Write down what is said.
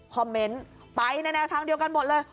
เมนต์ไปในแนวทางเดียวกันหมดเลย